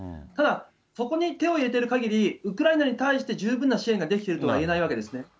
ただ、そこに手を入れているかぎり、ウクライナに対して十分な支援ができてるとは言えないわけですね。